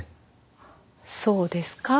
そうですか？